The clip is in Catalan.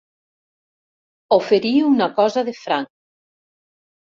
Oferir una cosa de franc.